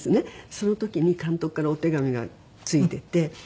その時に監督からお手紙が着いてて。